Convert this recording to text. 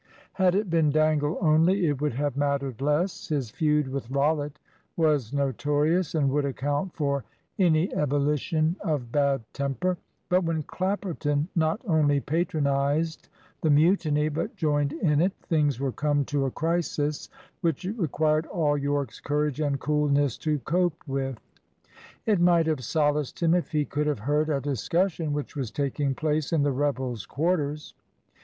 Had it been Dangle only, it would have mattered less. His feud with Rollitt was notorious, and would account for any ebullition of bad temper. But when Clapperton not only patronised the mutiny but joined in it, things were come to a crisis which it required all Yorke's courage and coolness to cope with. It might have solaced him if he could have heard a discussion which was taking place in the rebels' quarters.